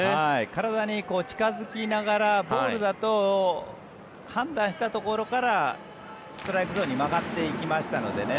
体に近付きながらボールだと判断したところからストライクゾーンに曲がっていきましたのでね。